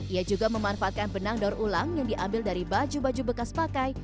ia juga memanfaatkan benang daur ulang yang diambil dari baju baju bekas pakai